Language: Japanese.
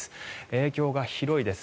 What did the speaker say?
影響が広いです。